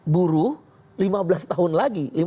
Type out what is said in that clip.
buruh lima belas tahun lagi